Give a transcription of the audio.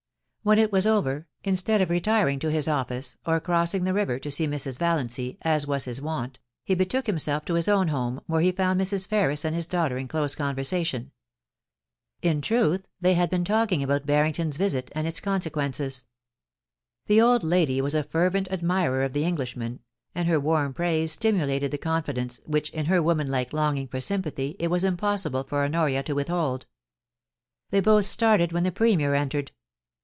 When it was over, instead of retiring to his office, or cross ing the river to see Mrs. Valiancy, as was his wont, he betook himself to his own home, where he found Mrs. Ferris and his daughter in close conversation. In truth, they had been talking about Barrington's visit and its consequences. The old lady was a fervent admirer of the Englishman, and her warm praise stimulated the con fidence which in her woman like longing for sympathy it was impossible for Honoria to withhold. They both started when the Premier entered.